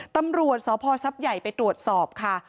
ตำรวจสพท์ใหญ่ไปตรวจสอบค่ะ